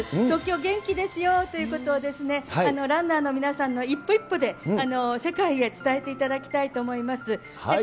東京、元気ですよということを、ランナーの皆さんの一歩一歩で、世界へ伝えていただきたいと思います。